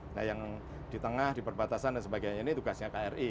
nah yang di tengah di perbatasan dan sebagainya ini tugasnya kri